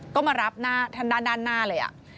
ก็มารับด้านหน้าเลย